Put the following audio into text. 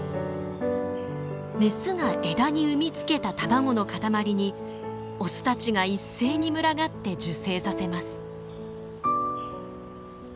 メスが枝に産みつけた卵の塊にオスたちが一斉に群がって受精させます。